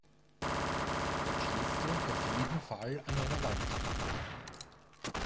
Er klebte auf jeden Fall an einer Wand.